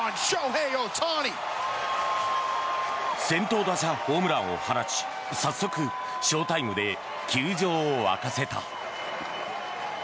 先頭打者ホームランを放ち早速、翔タイムで球場を沸かせた。